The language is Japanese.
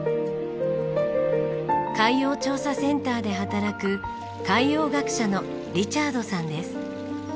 海洋調査センターで働く海洋学者のリチャードさんです。